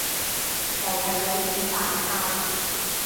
就係有錢大晒